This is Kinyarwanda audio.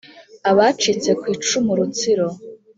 Abacitse ku icumu rutsiro